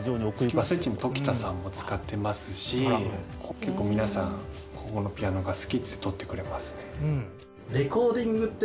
スキマスイッチの常田さんも使ってますし結構皆さんここのピアノが好きって録ってくれますね。